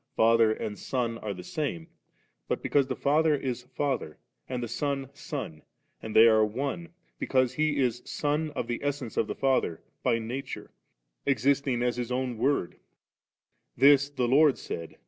Father and Son are the same, but because the Father is Father and the Son Son, and they are one^ because He is Son of the Essence of the Father by nature, existing as His own Word * This the Lord said, viz.